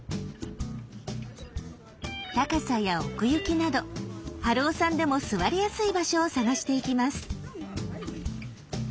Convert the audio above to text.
高さや奥行きなど春雄さんでも座りやすい場所を探していきます。